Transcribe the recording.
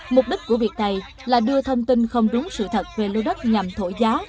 mục đích của việc này là đưa thông tin không đúng sự thật về lô đất nhằm thổi giá